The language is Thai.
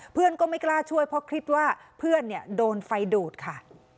เพื่อนก็ไม่กล้าช่วยเพราะคิดว่าเพื่อนโดนไฟดูดค่ะ